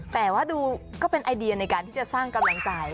แต่ว่าดูก็เป็นไอเดียในการที่จะสร้างกำลังใจ